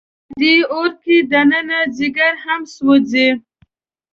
په دې اور کې دننه ځیګر هم سوځي.